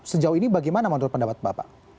sejauh ini bagaimana menurut pendapat bapak